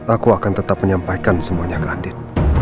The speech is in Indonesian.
aku akan tetap menyampaikan semuanya ke adit